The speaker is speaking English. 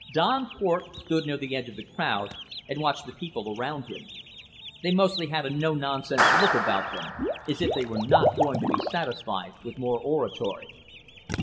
Don Cort stood near the edge of the crowd and watched the people around him. They mostly had a no nonsense look about them, as if they were not going to be satisfied with more oratory.